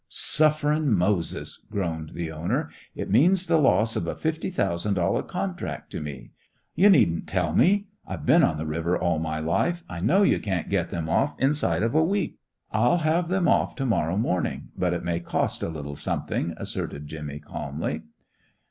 "Suffering Moses!" groaned the owner. "It means the loss of a fifty thousand dollar contract to me. You needn't tell me! I've been on the river all my life. I know you can't get them off inside of a week." "I'll have 'em off to morrow morning, but it may cost a little something," asserted Jimmy, calmly.